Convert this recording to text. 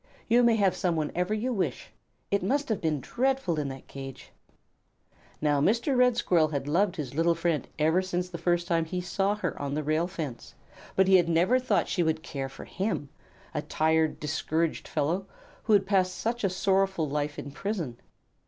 You may have some whenever you wish. It must have been dreadful in that cage." Now Mr. Red Squirrel had loved his little friend ever since the first time he saw her on the rail fence, but he had never thought she would care for him a tired, discouraged fellow, who had passed such a sorrowful life in prison.